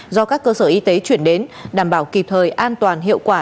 do các cơ sở y tế chuyển đến đảm bảo kịp thời an toàn hiệu quả